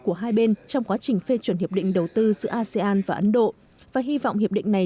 của hai bên trong quá trình phê chuẩn hiệp định đầu tư giữa asean và ấn độ và hy vọng hiệp định này